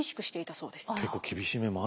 そうですね。